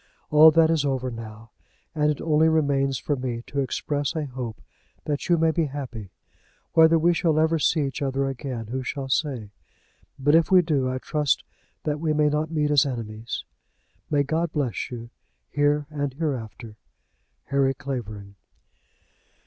All that is over now, and it only remains for me to express a hope that you may be happy. Whether we shall ever see each other again who shall say? but if we do I trust that we may not meet as enemies. May God bless you here and hereafter. HARRY CLAVERING.